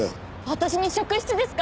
私に職質ですか？